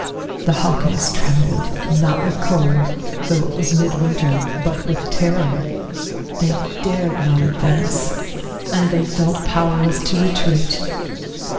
The Hockins trembled, not with cold, though it was mid winter, but with terror. They dared not advance, and they felt powerless to retreat.